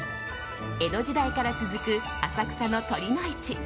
江戸時代から続く浅草の酉の市。